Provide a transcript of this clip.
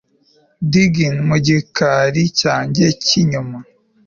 diggin 'mu gikari cyanjye cy'inyuma